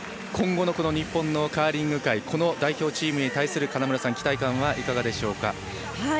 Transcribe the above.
今後の日本のカーリング界代表チームに対する期待感はいかがでしょうか？